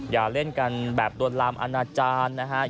อย่าเล่นกันแบบลวนลามอาณาจารย์นะครับ